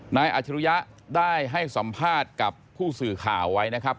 อาจรุยะได้ให้สัมภาษณ์กับผู้สื่อข่าวไว้นะครับ